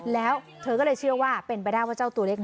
แล้วเธอก็เลยเชื่อว่าเป็นไปได้ว่าเจ้าตัวเล็ก